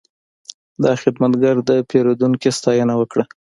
دا خدمتګر د پیرودونکي ستاینه وکړه.